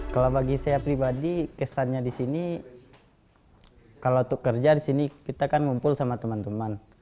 kalau bagi saya pribadi kesannya di sini kalau untuk kerja di sini kita kan ngumpul sama teman teman